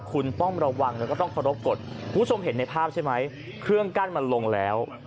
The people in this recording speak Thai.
คุณต้องระวังแล้วก็ต้องเคารพกฎคุณผู้ชมเห็นในภาพใช่ไหมเครื่องกั้นมันลงแล้ว